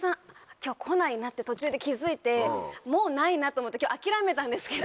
今日来ないなって途中で気付いてもうないなって思って今日諦めたんですけど。